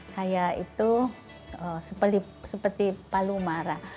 kayak itu seperti palu mara